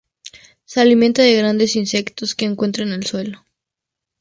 Se alimenta de grandes insectos que encuentra en el suelo.